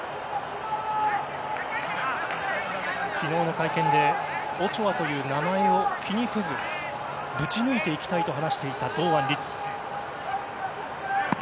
昨日の会見でオチョアという名前を気にせずぶち抜いていきたいと話していた堂安律。